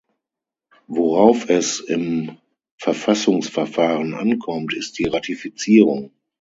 Worauf es im Verfassungsverfahren ankommt, ist die Ratifizierung.